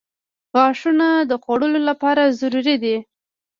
• غاښونه د خوړلو لپاره ضروري دي.